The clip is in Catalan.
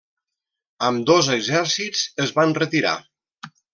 Ambdós exèrcits es van retirar.